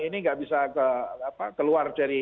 ini gak bisa keluar